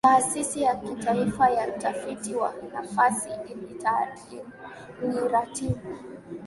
Taasisi ya Kitaifa ya Utafiti wa Nafasi iliratibu